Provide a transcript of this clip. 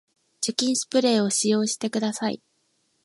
除菌スプレーを使用してください